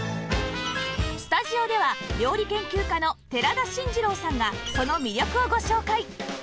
スタジオでは料理研究家の寺田真二郎さんがその魅力をご紹介